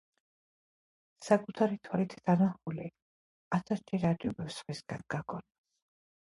საკუთარი თვალით დანახული ათასჯერ აჯობებს სხვისგან გაგონილს.